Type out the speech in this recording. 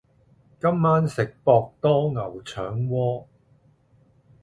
今晚食博多牛腸鍋